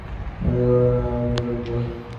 ধ্রুব সুদৃঢ় মৌন আপত্তি প্রকাশ করিল।